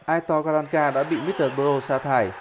aitor karanka đã bị mr bro xa thải